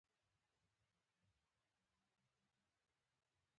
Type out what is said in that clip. د سپرلي یادونه تازه کېږي